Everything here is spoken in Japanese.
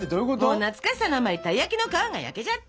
もう懐かしさのあまりたい焼きの皮が焼けちゃった！